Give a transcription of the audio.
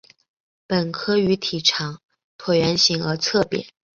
本科鱼体长椭圆形而侧扁。